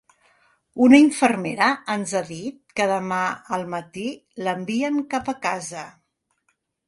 Una infermera ens ha dit que demà al matí l'envien cap a casa.